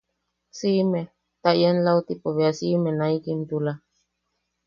Siʼime... ta ian lautipo bea siʼime naʼikimtula.